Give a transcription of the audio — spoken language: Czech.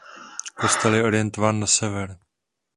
Kostel je orientován na sever.